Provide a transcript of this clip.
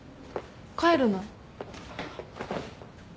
帰るの？